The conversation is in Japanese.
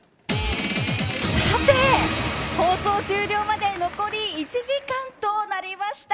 さて、放送終了まで残り１時間となりました。